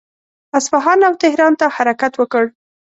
اصفهان او تهران ته حرکت وکړ.